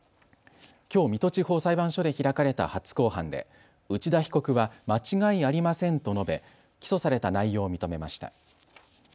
きょう水戸地方裁判所で開かれた初公判で内田被告は間違いありませんと述べ起訴された内容を認めました。